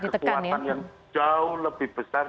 kekuatan yang jauh lebih besar